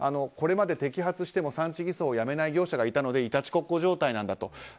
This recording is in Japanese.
これまで摘発しても産地偽装をやめない業者がいたのでいたちごっこ状態なんだと。